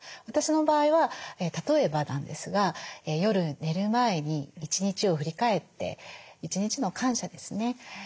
私の場合は例えばなんですが夜寝る前に一日を振り返って一日の感謝ですね。